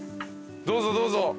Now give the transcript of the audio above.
どうぞどうぞ。